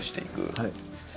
はい。